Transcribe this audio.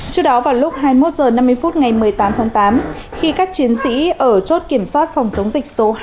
trước đó vào lúc hai mươi một h năm mươi phút ngày một mươi tám tháng tám khi các chiến sĩ ở chốt kiểm soát phòng chống dịch số hai